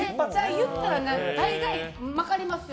言ったら大概まかりますよ。